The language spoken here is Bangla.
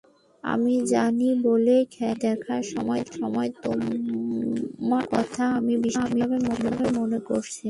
আমি জানি বলেই খেলাটি দেখার সময় তোমার কথা আমি বিশেষভাবে মনে করেছি।